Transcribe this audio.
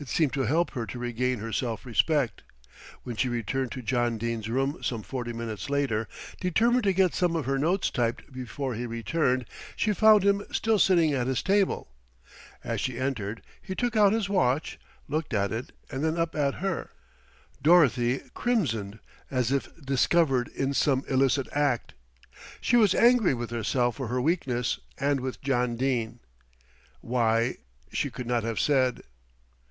It seemed to help her to regain her self respect. When she returned to John Dene's room some forty minutes later, determined to get some of her notes typed before he returned, she found him still sitting at his table. As she entered he took out his watch, looked at it and then up at her. Dorothy crimsoned as if discovered in some illicit act. She was angry with herself for her weakness and with John Dene why, she could not have said.